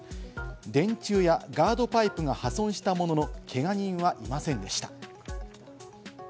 電柱やガードパイプが破損したもののけが人はいませんでした。